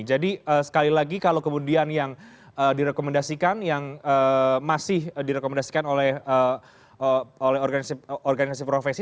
sekali lagi kalau kemudian yang direkomendasikan yang masih direkomendasikan oleh organisasi profesi